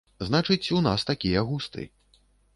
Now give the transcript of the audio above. Значыць, у нас такія густы.